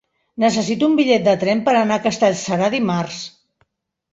Necessito un bitllet de tren per anar a Castellserà dimarts.